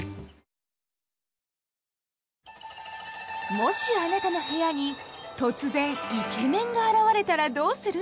もしあなたの部屋に突然イケメンが現れたらどうする？